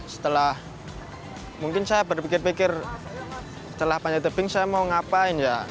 setelah mungkin saya berpikir pikir setelah panjat tebing saya mau ngapain ya